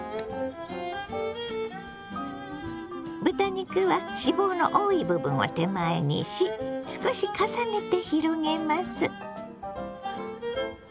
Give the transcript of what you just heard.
豚肉は脂肪の多い部分を手前にし少し重ねて広げます。